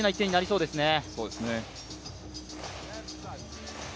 そうですね。